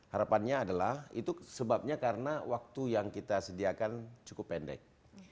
harapannya adalah itu sebabnya karena waktu yang kita sediakan cukup pendek